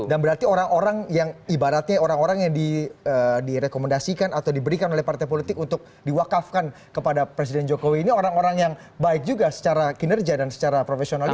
artinya orang orang yang direkomendasikan atau diberikan oleh partai politik untuk diwakafkan kepada presiden jokowi ini orang orang yang baik juga secara kinerja dan secara profesionalitas